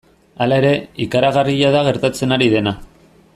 Hala ere, ikaragarria da gertatzen ari dena.